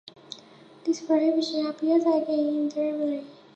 This prohibition appears again in Deuteronomy.